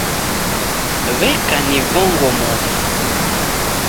w'eka ni vongo mosi